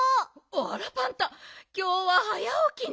あらパンタきょうは早おきね。